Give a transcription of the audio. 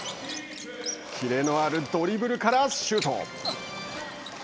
キレのあるドリブルからシュート。